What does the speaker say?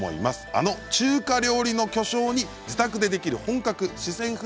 あの中華料理の巨匠に自宅でできる本格四川風